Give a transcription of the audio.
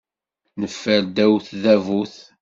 Neffer ddaw tdabut.